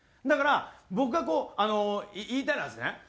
だから僕が言いたいのはですね